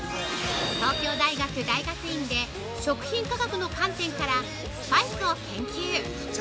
東京大学大学院で、食品化学の観点からスパイスを研究。